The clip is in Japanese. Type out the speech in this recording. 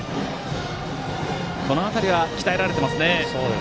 この辺りは鍛えられていますね。